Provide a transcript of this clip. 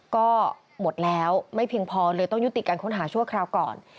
ก็หมดแล้วไม่เพียงพอเลยต้องยุติการค้นหาชั่วคราวก่อน